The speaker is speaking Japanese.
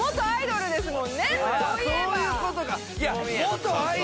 そういうことか！